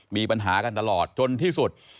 มีปัญหากันตลอดจนที่สุด